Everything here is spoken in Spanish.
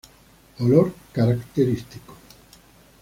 Olor: Característico.